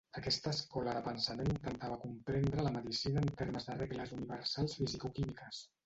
Aquesta escola de pensament intentava comprendre la medicina en termes de regles universals fisicoquímiques.